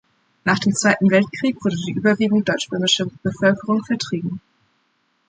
Nach dem Zweiten Weltkrieg wurde die überwiegend deutschböhmische Bevölkerung vertrieben.